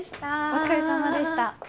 お疲れさまでした。